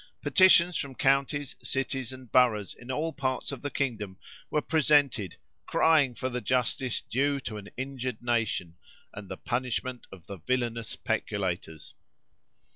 Petitions from counties, cities, and boroughs, in all parts of the kingdom, were presented, crying for the justice due to an injured nation and the punishment of the villanous peculators.